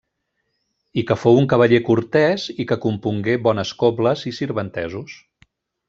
I que fou un cavaller cortès i que compongué bones cobles i sirventesos.